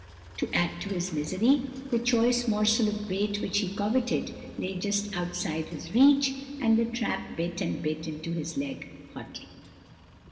To add to his misery, the choice morsel of bait which he coveted, lay just outside his reach, and the trap bit and bit into his leg hotly.